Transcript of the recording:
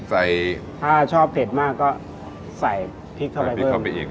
ถ้าชอบเผ็ดมากก็ใส่พริกเข้าไปเพิ่ม